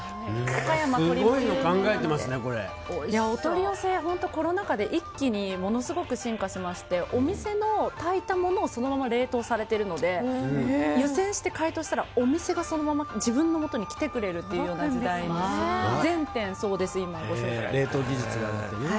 お取り寄せコロナ禍で一気にものすごく進化しましてお店の炊いたものをそのまま冷凍されているので湯煎して解凍したらお店がそのまま自分のもとに来てくれるというような時代に全店そうです。